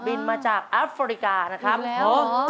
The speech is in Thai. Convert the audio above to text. บินมาจากอัฟริกานะครับบินไปแล้วเหรอ